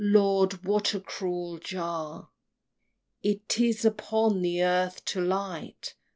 Lord! what a cruel jar It is upon the earth to light!